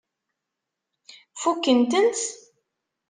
Fukken-tent?